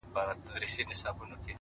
د توري شپې سره خوبونه هېرولاى نه ســم ـ